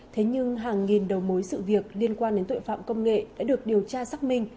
thế nhưng hàng nghìn đầu mối sự việc liên quan đến tội phạm công nghệ đã được điều tra xác minh